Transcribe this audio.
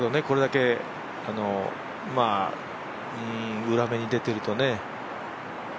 これだけ、裏目に出てるとね。